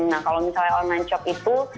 nah kalau misalnya online shop itu